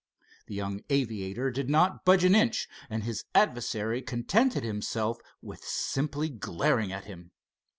The young aviator did not budge an inch, and his adversary contented himself with simply glaring at him.